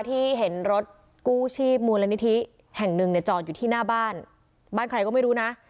ที่เห็นรถกู้ชีพมูลนิธิแห่งหนึ่งเนี่ยจอดอยู่ที่หน้าบ้านบ้านใครก็ไม่รู้นะ